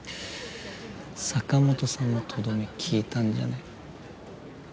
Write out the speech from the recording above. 坂本さんのトドメ効いたんじゃね？